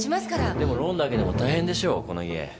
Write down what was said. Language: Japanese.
でもローンだけでも大変でしょこの家。